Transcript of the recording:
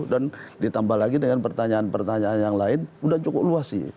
dan ditambah lagi dengan pertanyaan pertanyaan yang lain sudah cukup luas sih